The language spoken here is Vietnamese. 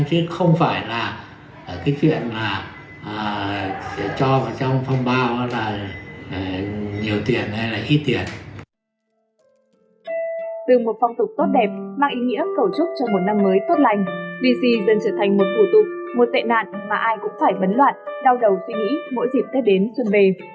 chứ không phải là cái chuyện là sẽ cho vào trong phòng bao là nhiều tiền hay là ít tiền